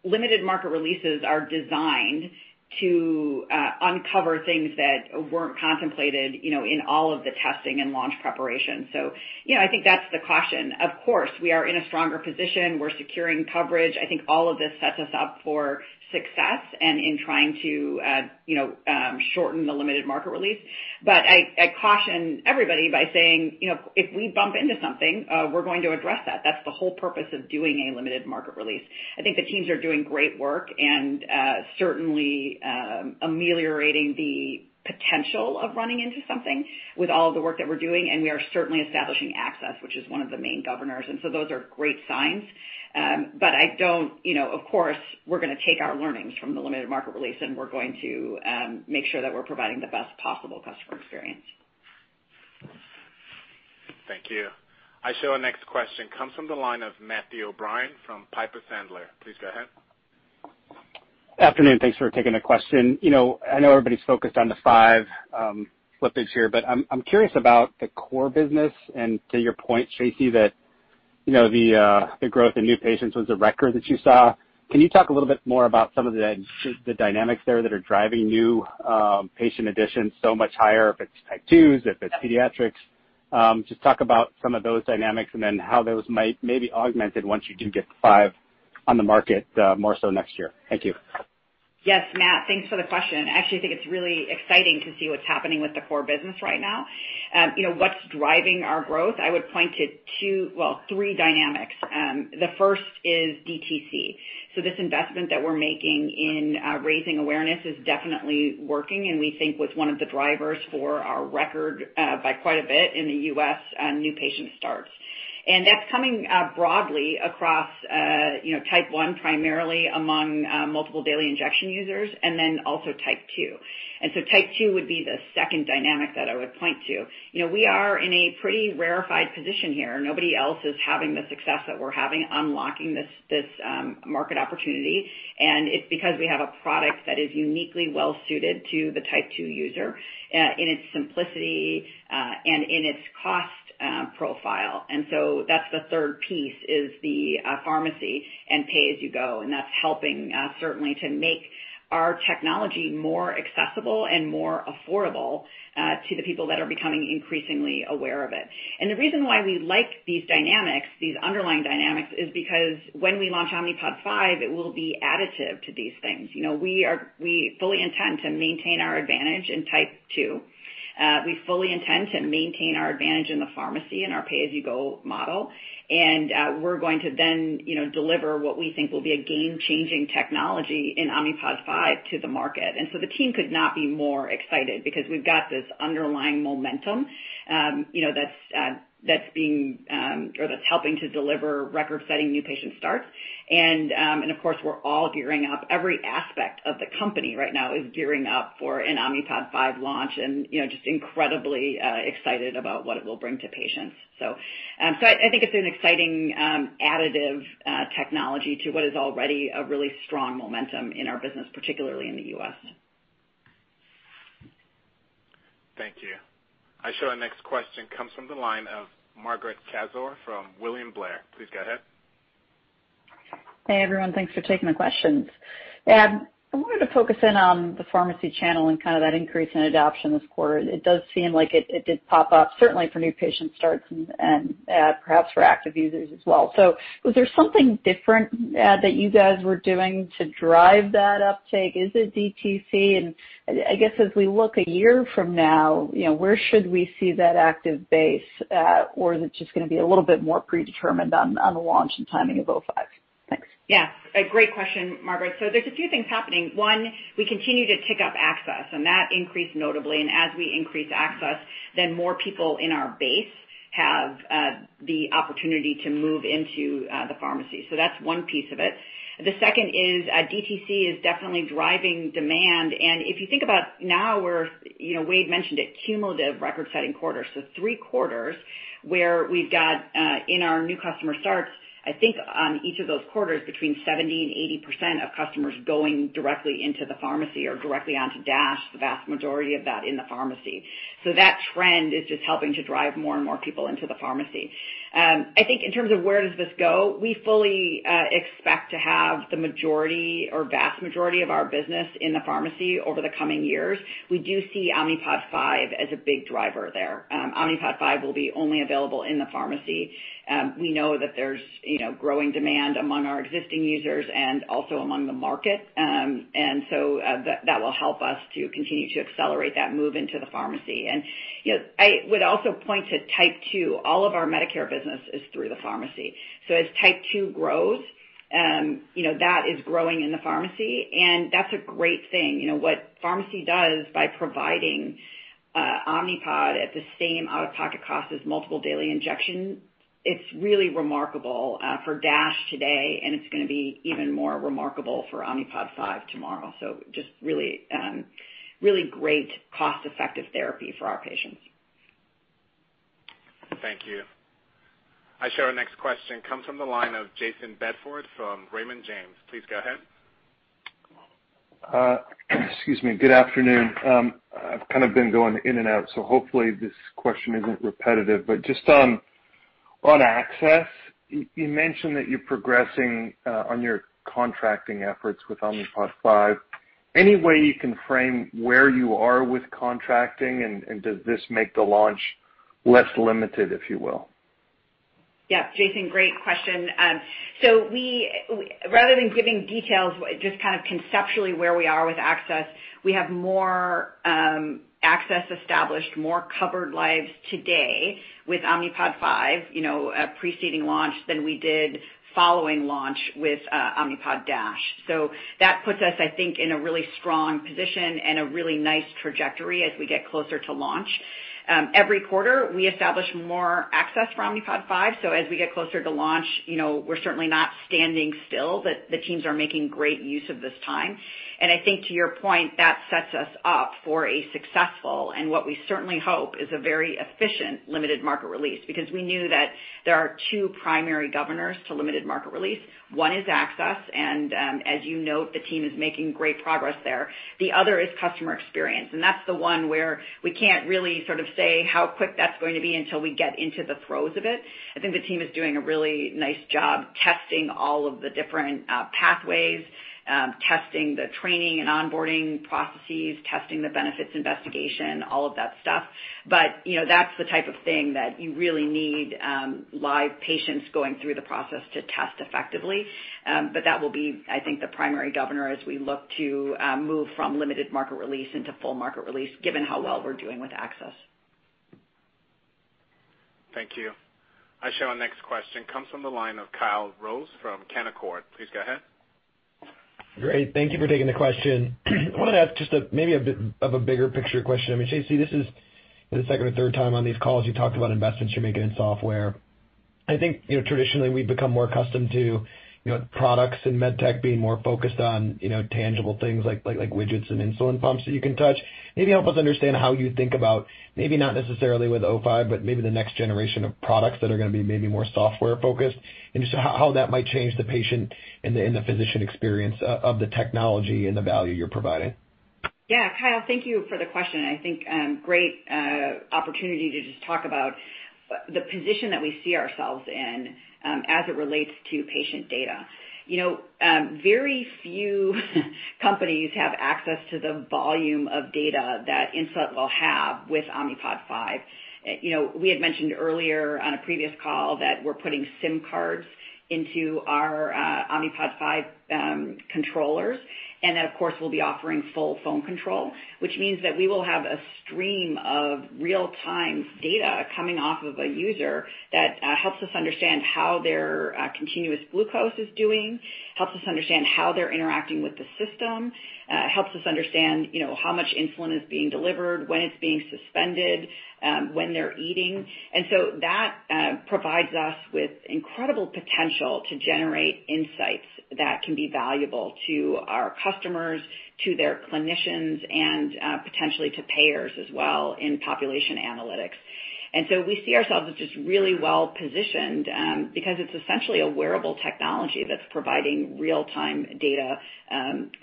limited market releases are designed to uncover things that weren't contemplated in all of the testing and launch preparation. I think that's the caution. Of course, we are in a stronger position. We're securing coverage. I think all of this sets us up for success and in trying to shorten the limited market release. I caution everybody by saying, if we bump into something, we're going to address that. That's the whole purpose of doing a limited market release. I think the teams are doing great work and certainly ameliorating the potential of running into something with all of the work that we're doing, and we are certainly establishing access, which is one of the main governors. Those are great signs. Of course, we're going to take our learnings from the limited market release, and we're going to make sure that we're providing the best possible customer experience. Thank you. I show our next question comes from the line of Matthew O'Brien from Piper Sandler. Please go ahead. Afternoon. Thanks for taking the question. I know everybody's focused on the Omnipod 5 slippage here, but I'm curious about the core business and to your point, Shacey, that the growth in new patients was a record that you saw. Can you talk a little bit more about some of the dynamics there that are driving new patient additions so much higher, if it's Type 2s, if it's pediatrics? Just talk about some of those dynamics and then how those may be augmented once you do get Omnipod 5 on the market more so next year. Thank you. Yes, Matt, thanks for the question. Actually, I think it's really exciting to see what's happening with the core business right now. What's driving our growth? I would point to two, well, three dynamics. The first is DTC. This investment that we're making in raising awareness is definitely working, and we think was one of the drivers for our record by quite a bit in the U.S. new patient starts. That's coming broadly across Type 1, primarily among multiple daily injection users, and then also Type 2. Type 2 would be the second dynamic that I would point to. We are in a pretty rarefied position here. Nobody else is having the success that we're having unlocking this market opportunity. It's because we have a product that is uniquely well-suited to the Type 2 user in its simplicity and in its cost profile. That's the third piece is the pharmacy and pay-as-you-go, and that's helping certainly to make our technology more accessible and more affordable to the people that are becoming increasingly aware of it. The reason why we like these dynamics, these underlying dynamics, is because when we launch Omnipod 5, it will be additive to these things. We fully intend to maintain our advantage in Type 2. We fully intend to maintain our advantage in the pharmacy and our pay-as-you-go model. We're going to then deliver what we think will be a game-changing technology in Omnipod 5 to the market. The team could not be more excited because we've got this underlying momentum that's helping to deliver record-setting new patient starts. Of course, we're all gearing up. Every aspect of the company right now is gearing up for an Omnipod 5 launch, just incredibly excited about what it will bring to patients. I think it's an exciting additive technology to what is already a really strong momentum in our business, particularly in the U.S. Thank you. I show our next question comes from the line of Margaret Kaczor from William Blair. Please go ahead. Hey, everyone. Thanks for taking the questions. I wanted to focus in on the pharmacy channel and kind of that increase in adoption this quarter. It does seem like it did pop up, certainly for new patient starts and perhaps for active users as well. Was there something different that you guys were doing to drive that uptake? Is it DTC? I guess as we look a year from now, where should we see that active base? Is it just going to be a little bit more predetermined on the launch and timing of O5? Thanks. Yeah. Great question, Margaret Kaczor. There's a few things happening. One, we continue to tick up access, and that increased notably. As we increase access, more people in our base have the opportunity to move into the pharmacy. That's one piece of it. The second is DTC is definitely driving demand, and if you think about now, we've mentioned it, cumulative record-setting quarters. Three quarters where we've got in our new customer starts, I think on each of those quarters, between 70% and 80% of customers going directly into the pharmacy or directly onto DASH, the vast majority of that in the pharmacy. That trend is just helping to drive more and more people into the pharmacy. I think in terms of where does this go, we fully expect to have the majority or vast majority of our business in the pharmacy over the coming years. We do see Omnipod 5 as a big driver there. Omnipod 5 will be only available in the pharmacy. We know that there's growing demand among our existing users and also among the market. That will help us to continue to accelerate that move into the pharmacy. I would also point to Type 2. All of our Medicare business is through the pharmacy. As Type 2 grows, that is growing in the pharmacy, and that's a great thing. What pharmacy does by providing Omnipod at the same out-of-pocket cost as multiple daily injections, it's really remarkable for DASH today, and it's going to be even more remarkable for Omnipod 5 tomorrow. Just really great cost-effective therapy for our patients. Thank you. I show our next question comes from the line of Jayson Bedford from Raymond James. Please go ahead. Excuse me. Good afternoon. I've kind of been going in and out, so hopefully this question isn't repetitive. Just on access, you mentioned that you're progressing on your contracting efforts with Omnipod 5. Any way you can frame where you are with contracting, and does this make the launch less limited, if you will? Yeah, Jayson, great question. Rather than giving details, just conceptually where we are with access, we have more access established, more covered lives today with Omnipod 5, preceding launch than we did following launch with Omnipod DASH. That puts us, I think, in a really strong position and a really nice trajectory as we get closer to launch. Every quarter, we establish more access for Omnipod 5. As we get closer to launch, we're certainly not standing still. The teams are making great use of this time. I think to your point, that sets us up for a successful, and what we certainly hope is a very efficient limited market release. Because we knew that there are two primary governors to limited market release. One is access, and as you note, the team is making great progress there. The other is customer experience, that's the one where we can't really sort of say how quick that's going to be until we get into the throes of it. I think the team is doing a really nice job testing all of the different pathways, testing the training and onboarding processes, testing the benefits investigation, all of that stuff. That's the type of thing that you really need live patients going through the process to test effectively. That will be, I think, the primary governor as we look to move from limited market release into full market release, given how well we're doing with access. Thank you. I show our next question comes from the line of Kyle Rose from Canaccord. Please go ahead. Great. Thank you for taking the question. I wanted to ask just maybe a bit of a bigger picture question. I mean, Shacey, this is the second or third time on these calls you've talked about investments you're making in software. I think traditionally, we've become more accustomed to products in med tech being more focused on tangible things like widgets and insulin pumps that you can touch. Maybe help us understand how you think about, maybe not necessarily with Omnipod 5, but maybe the next generation of products that are going to be maybe more software focused, and just how that might change the patient and the physician experience of the technology and the value you're providing. Yeah. Kyle, thank you for the question. I think great opportunity to just talk about the position that we see ourselves in as it relates to patient data. Very few companies have access to the volume of data that Insulet will have with Omnipod 5. We had mentioned earlier on a previous call that we're putting SIM cards into our Omnipod 5 controllers, and then, of course, we'll be offering full phone control, which means that we will have a stream of real-time data coming off of a user that helps us understand how their continuous glucose is doing, helps us understand how they're interacting with the system. It helps us understand how much insulin is being delivered, when it's being suspended, when they're eating. That provides us with incredible potential to generate insights that can be valuable to our customers, to their clinicians, and potentially to payers as well in population analytics. We see ourselves as just really well-positioned because it's essentially a wearable technology that's providing real-time data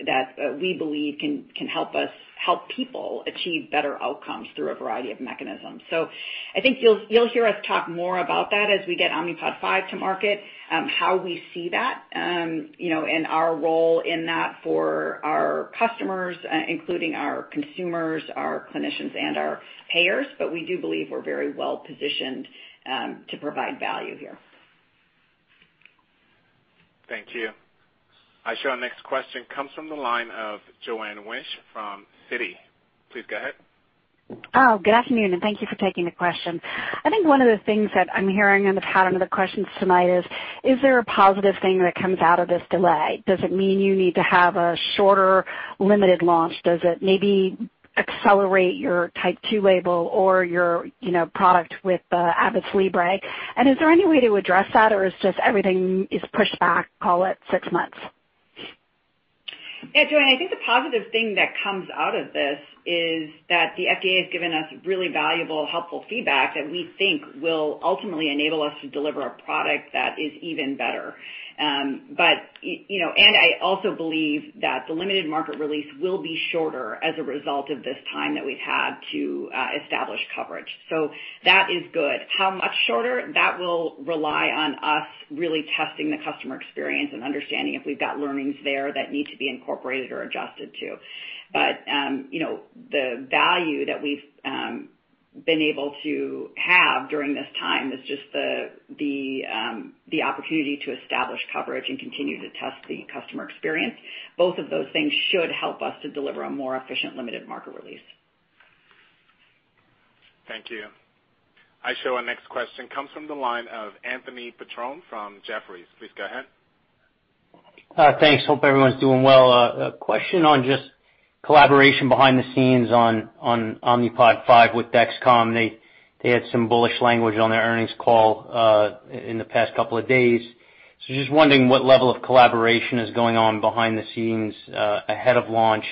that we believe can help us help people achieve better outcomes through a variety of mechanisms. I think you'll hear us talk more about that as we get Omnipod 5 to market, how we see that, and our role in that for our customers, including our consumers, our clinicians, and our payers. We do believe we're very well-positioned to provide value here. Thank you. I show our next question comes from the line of Joanne Wuensch from Citi. Please go ahead. Oh, good afternoon, and thank you for taking the question. I think one of the things that I'm hearing in the pattern of the questions tonight is there a positive thing that comes out of this delay? Does it mean you need to have a shorter limited launch? Does it maybe accelerate your Type 2 label or your product with Abbott's Libre? Is there any way to address that, or is just everything is pushed back, call it six months? Yeah, Joanne, I think the positive thing that comes out of this is that the FDA has given us really valuable, helpful feedback that we think will ultimately enable us to deliver a product that is even better. I also believe that the limited market release will be shorter as a result of this time that we've had to establish coverage. That is good. How much shorter? That will rely on us really testing the customer experience and understanding if we've got learnings there that need to be incorporated or adjusted to. The value that we've been able to have during this time is just the opportunity to establish coverage and continue to test the customer experience. Both of those things should help us to deliver a more efficient limited market release. Thank you. I show our next question comes from the line of Anthony Petrone from Jefferies. Please go ahead. Thanks. Hope everyone's doing well. A question on just collaboration behind the scenes on Omnipod 5 with Dexcom. They had some bullish language on their earnings call in the past couple of days. Just wondering what level of collaboration is going on behind the scenes ahead of launch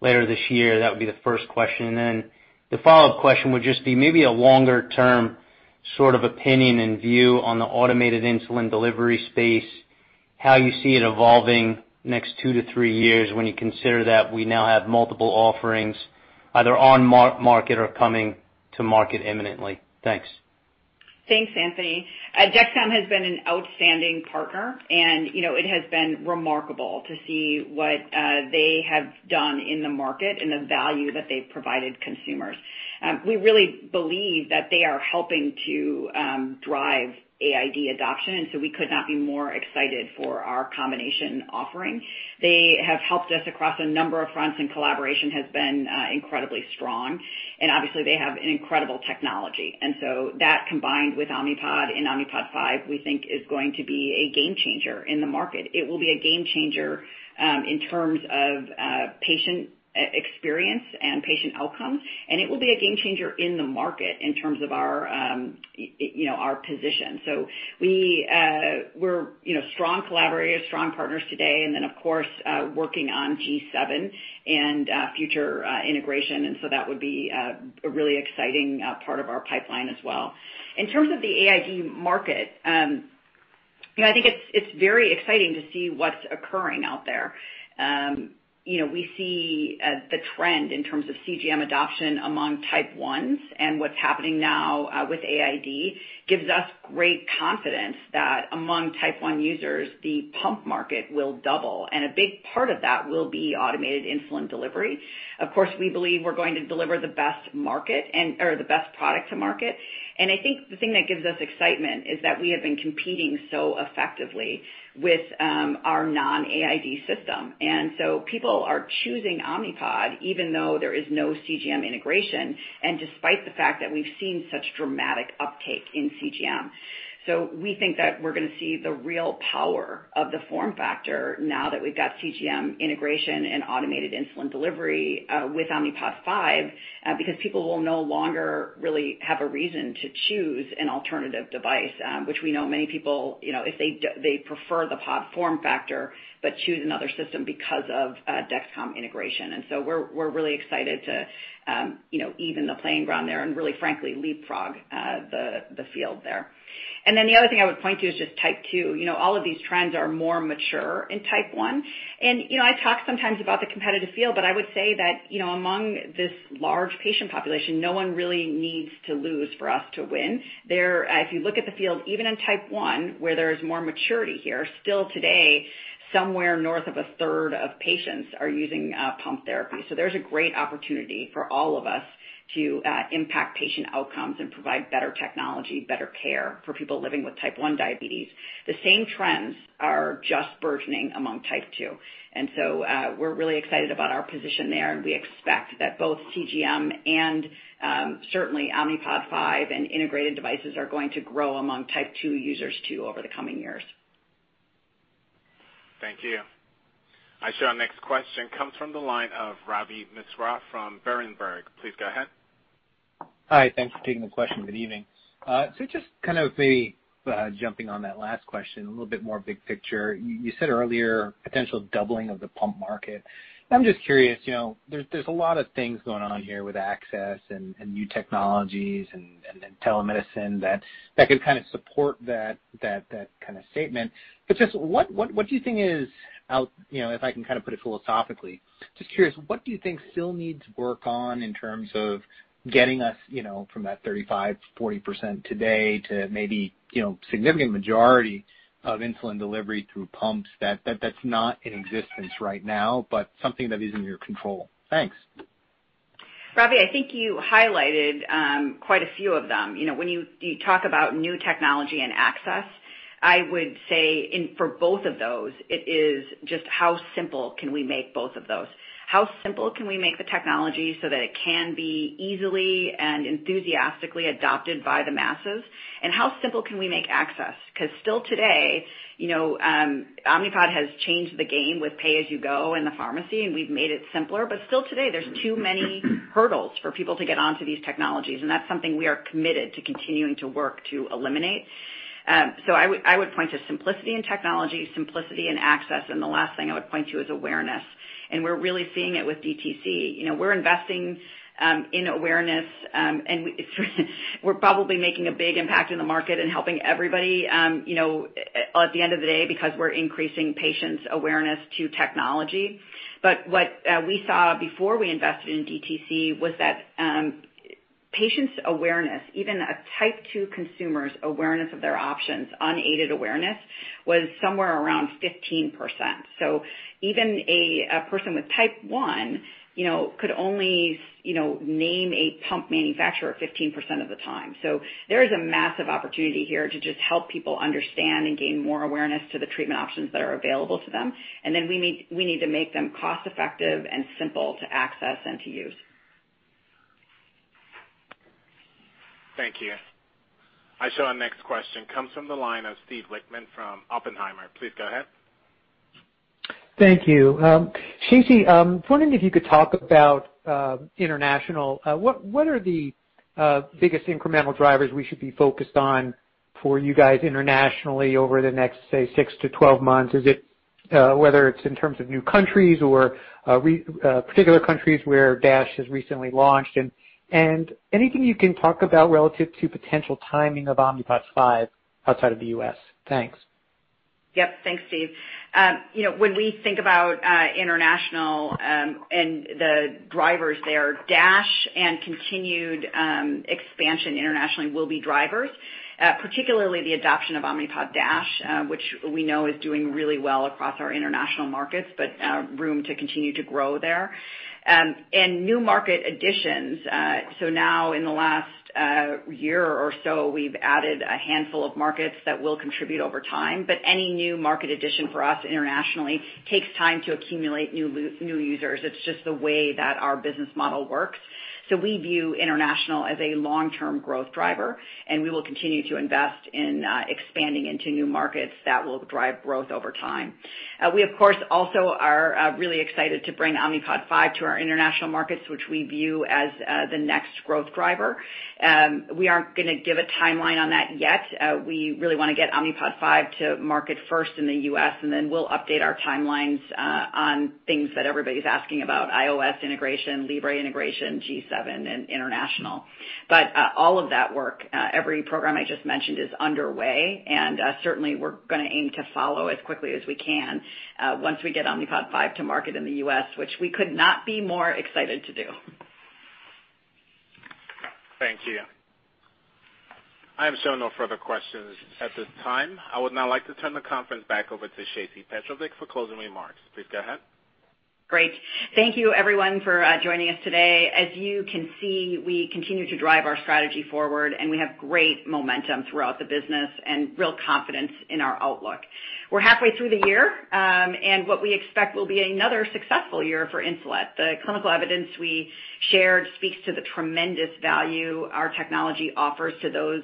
later this year. That would be the first question. The follow-up question would just be maybe a longer-term sort of opinion and view on the automated insulin delivery space, how you see it evolving next two to three years when you consider that we now have multiple offerings either on market or coming to market imminently. Thanks. Thanks, Anthony. Dexcom has been an outstanding partner, and it has been remarkable to see what they have done in the market and the value that they've provided consumers. We really believe that they are helping to drive AID adoption, we could not be more excited for our combination offering. They have helped us across a number of fronts, collaboration has been incredibly strong. Obviously, they have an incredible technology. That combined with Omnipod and Omnipod 5, we think is going to be a game changer in the market. It will be a game changer in terms of patient experience and patient outcomes, it will be a game changer in the market in terms of our position. We're strong collaborators, strong partners today, and then of course, working on G7 and future integration. That would be a really exciting part of our pipeline as well. In terms of the AID market, I think it's very exciting to see what's occurring out there. We see the trend in terms of CGM adoption among Type 1s. What's happening now with AID gives us great confidence that among Type 1 users, the pump market will double, and a big part of that will be automated insulin delivery. Of course, we believe we're going to deliver the best product to market. I think the thing that gives us excitement is that we have been competing so effectively with our non-AID system. People are choosing Omnipod even though there is no CGM integration and despite the fact that we've seen such dramatic uptake in CGM. We think that we're going to see the real power of the form factor now that we've got CGM integration and automated insulin delivery with Omnipod 5 because people will no longer really have a reason to choose an alternative device, which we know many people, if they prefer the pod form factor but choose another system because of Dexcom integration. We're really excited to even the playing ground there and really frankly leapfrog the field there. The other thing I would point to is just Type 2. All of these trends are more mature in Type 1. I talk sometimes about the competitive field, but I would say that among this large patient population, no one really needs to lose for us to win. If you look at the field, even in Type 1, where there is more maturity here, still today, somewhere north of a third of patients are using pump therapy. There's a great opportunity for all of us to impact patient outcomes and provide better technology, better care for people living with Type 1 diabetes. The same trends are just burgeoning among Type 2. We're really excited about our position there, and we expect that both CGM and certainly Omnipod 5 and integrated devices are going to grow among Type 2 users too over the coming years. Thank you. I show our next question comes from the line of Ravi Misra from Berenberg. Please go ahead. Hi. Thanks for taking the question. Good evening. Just kind of maybe jumping on that last question, a little bit more big picture. You said earlier, potential doubling of the pump market. I'm just curious, there's a lot of things going on here with access and new technologies and then telemedicine that could kind of support that kind of statement. Just what do you think, if I can kind of put it philosophically, just curious, what do you think still needs work on in terms of getting us from that 35%-40% today to maybe significant majority of insulin delivery through pumps that's not in existence right now, but something that is in your control? Thanks. Ravi, I think you highlighted quite a few of them. When you talk about new technology and access, I would say for both of those, it is just how simple can we make both of those. How simple can we make the technology so that it can be easily and enthusiastically adopted by the masses? How simple can we make access? Because still today, Omnipod has changed the game with pay-as-you-go in the pharmacy, and we've made it simpler, but still today, there's too many hurdles for people to get onto these technologies, and that's something we are committed to continuing to work to eliminate. I would point to simplicity in technology, simplicity in access, and the last thing I would point to is awareness. We're really seeing it with DTC. We're investing in awareness, and we're probably making a big impact in the market and helping everybody at the end of the day because we're increasing patients' awareness to technology. What we saw before we invested in DTC was that patients' awareness, even a Type 2 consumer's awareness of their options, unaided awareness, was somewhere around 15%. Even a person with Type 1 could only name a pump manufacturer 15% of the time. There is a massive opportunity here to just help people understand and gain more awareness to the treatment options that are available to them. We need to make them cost-effective and simple to access and to use. Thank you. I show our next question comes from the line of Steve Lichtman from Oppenheimer. Please go ahead. Thank you. Shacey, wondering if you could talk about international. What are the biggest incremental drivers we should be focused on for you guys internationally over the next, say, six to 12 months? Whether it's in terms of new countries or particular countries where DASH has recently launched. Anything you can talk about relative to potential timing of Omnipod 5 outside of the U.S. Thanks. Yes. Thanks, Steve. When we think about international and the drivers there, DASH and continued expansion internationally will be drivers. Particularly the adoption of Omnipod DASH, which we know is doing really well across our international markets, but room to continue to grow there. New market additions. Now in the last year or so, we've added a handful of markets that will contribute over time, but any new market addition for us internationally takes time to accumulate new users. It's just the way that our business model works. We view international as a long-term growth driver, and we will continue to invest in expanding into new markets that will drive growth over time. We, of course, also are really excited to bring Omnipod 5 to our international markets, which we view as the next growth driver. We aren't going to give a timeline on that yet. We really want to get Omnipod 5 to market first in the U.S., and then we'll update our timelines on things that everybody's asking about, iOS integration, Libre integration, G7, and international. All of that work, every program I just mentioned is underway, and certainly, we're going to aim to follow as quickly as we can once we get Omnipod 5 to market in the U.S., which we could not be more excited to do. Thank you. I have shown no further questions at this time. I would now like to turn the conference back over to Shacey Petrovic for closing remarks. Please go ahead. Great. Thank you everyone for joining us today. As you can see, we continue to drive our strategy forward, and we have great momentum throughout the business and real confidence in our outlook. We're halfway through the year, and what we expect will be another successful year for Insulet. The clinical evidence we shared speaks to the tremendous value our technology offers to those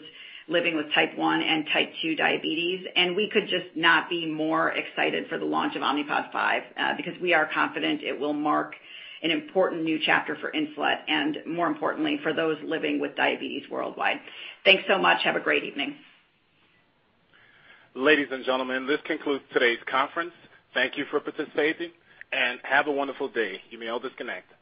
living with Type 1 and Type 2 diabetes, and we could just not be more excited for the launch of Omnipod 5, because we are confident it will mark an important new chapter for Insulet and more importantly, for those living with diabetes worldwide. Thanks so much. Have a great evening. Ladies and gentlemen, this concludes today's conference. Thank you for participating, and have a wonderful day. You may all disconnect.